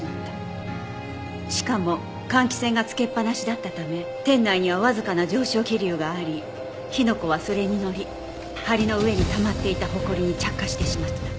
しかも換気扇がつけっぱなしだったため店内にはわずかな上昇気流があり火の粉はそれに乗り梁の上にたまっていたほこりに着火してしまった。